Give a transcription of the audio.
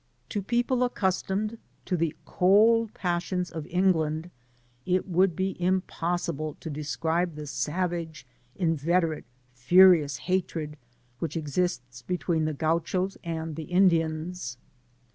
To people accustomed to the cold passions of England, it would be impossible to describe the savage, inveterate, furious hatred which exists between the Gauchos and the Indians.